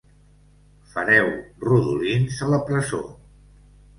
Fareu rodolins a la presó.